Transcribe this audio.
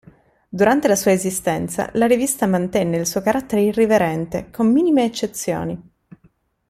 Durante la sua esistenza, la rivista mantenne il suo carattere irriverente, con minime eccezioni.